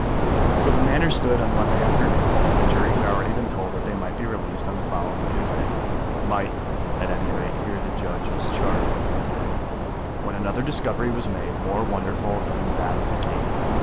So the matter stood on the Monday afternoon, and the jury had already been told that they might be released on the following Tuesday, might at any rate hear the judge's charge on that day, when another discovery was made more wonderful than that of the key.